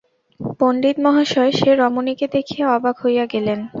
পণ্ডিমহাশয় সে রমণীকে দেখিয়া অবাক হইয়া গেলেন।